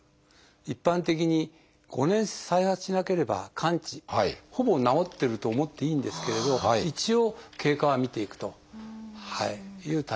一般的に５年再発しなければ完治ほぼ治ってると思っていいんですけれど一応経過は見ていくというタイプですね。